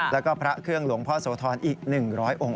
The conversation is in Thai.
แล้วก็พระเครื่องหลวงพ่อโสธรอีก๑๐๐องค์